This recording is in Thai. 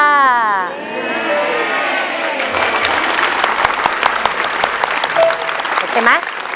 เฮ้เห้ยยยยยถูกไหม